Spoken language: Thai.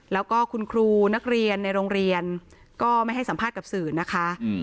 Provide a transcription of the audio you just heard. แล้วก็คุณครูนักเรียนในโรงเรียนก็ไม่ให้สัมภาษณ์กับสื่อนะคะ